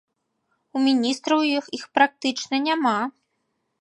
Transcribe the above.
У міністраў іх практычна няма.